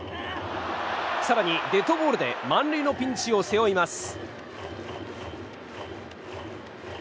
更に、デッドボールで満塁のピンチを背負います。